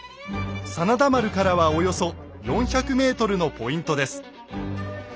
真田丸からはおよそ４００ｍのポイントです。